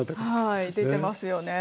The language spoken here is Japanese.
はい出てますよね。